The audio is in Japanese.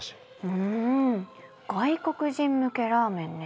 うん外国人向けラーメンね。